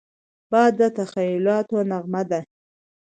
باد د تخیلاتو نغمه ده